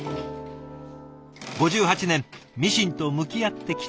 ５８年ミシンと向き合ってきた